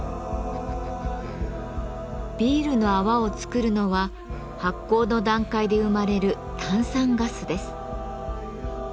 ビールの泡をつくるのは発酵の段階で生まれる炭酸ガスです。